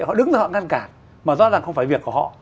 họ đứng với họ ngăn cản mà rõ ràng không phải việc của họ